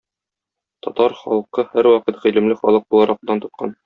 Татар халкы һәрвакыт гыйлемле халык буларак дан тоткан.